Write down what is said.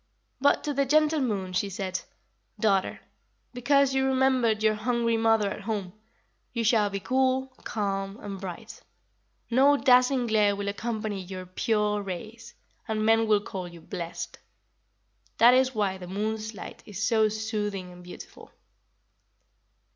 "But to the gentle Moon she said: 'Daughter, because you remembered your hungry mother at home, you shall be cool, calm, and bright. No dazzling glare will accompany your pure rays, and men will call you "blessed."' That is why the moon's light is so soothing and beautiful."